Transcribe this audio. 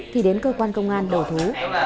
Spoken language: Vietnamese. khi đến cơ quan công an đổ thú